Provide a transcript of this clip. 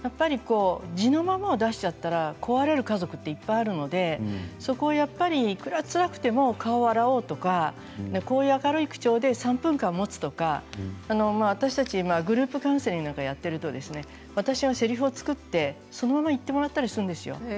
地のままを出してしまったら壊れる家族はいっぱいいるのでそこはいくらつらくても顔は笑おうとかこういう明るい口調で３分間、持つとか私たちグループカウンセリングなんかをやっていると私がせりふを作って、そのまま言ってもらったりするんですよ。